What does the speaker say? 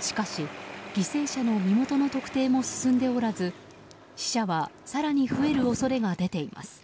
しかし、犠牲者の身元の特定も進んでおらず死者は更に増える恐れが出ています。